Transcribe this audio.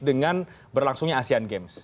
dengan berlangsungnya asean game